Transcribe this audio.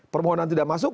permohonan tidak masuk